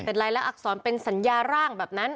เป็นลายลักษรเป็นสัญญาร่างแบบนั้น